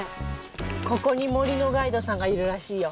ここに森のガイドさんがいるらしいよ